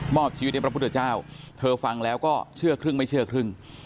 อบชีวิตให้พระพุทธเจ้าเธอฟังแล้วก็เชื่อครึ่งไม่เชื่อครึ่ง